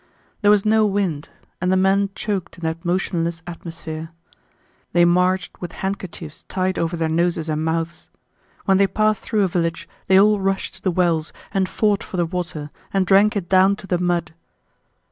There was no wind, and the men choked in that motionless atmosphere. They marched with handkerchiefs tied over their noses and mouths. When they passed through a village they all rushed to the wells and fought for the water and drank it down to the mud.